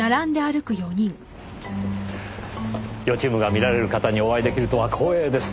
予知夢が見られる方にお会い出来るとは光栄です。